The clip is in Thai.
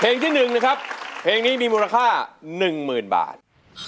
ที่๑นะครับเพลงนี้มีมูลค่า๑๐๐๐บาท